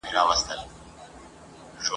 خو حیرانه یم چي دا دعدل کور دی ..